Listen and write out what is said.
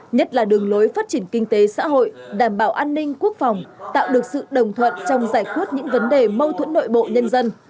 nhất là đường lối phát triển kinh tế xã hội đảm bảo an ninh quốc phòng tạo được sự đồng thuận trong giải quyết những vấn đề mâu thuẫn nội bộ nhân dân